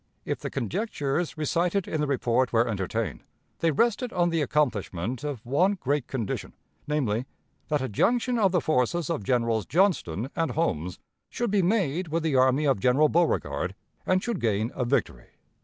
If the conjectures recited in the report were entertained, they rested on the accomplishment of one great condition, namely, that a junction of the forces of Generals Johnston and Holmes should be made with the army of General Beauregard and should gain a victory.